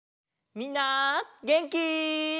みんなげんき？